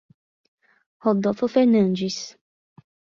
Rodolfo Fernandes